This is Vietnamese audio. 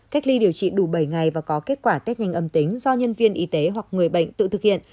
cách ly điều trị đủ bảy ngày và có kết quả test nhanh âm tính do nhân viên y tế hoặc người bệnh tự thực hiện